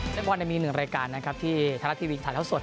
ในวันหนึ่งมีรายการที่ทลาทีวีถ่ายสัวนสด